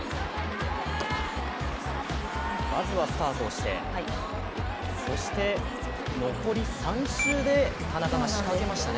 まずはスタートして、そして、残り３周で田中が仕掛けましたね。